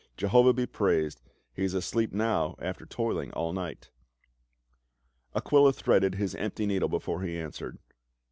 Jehovah be praised, he is asleep now after toiling all night." Aquila threaded his empty needle before he an swered.